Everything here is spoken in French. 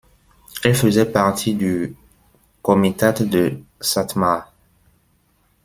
Elle faisait partie du comitat de Szatmár.